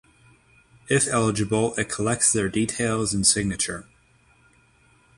If eligble, it collects their details and signature